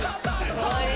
かわいい。